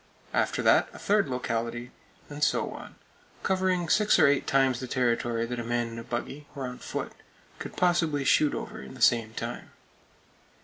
After that, a third locality; and so on, covering six or eight times the territory that a man in a buggy, or on foot, could possibly shoot over in the same time!